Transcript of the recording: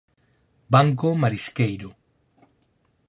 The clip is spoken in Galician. Banco marisqueiro.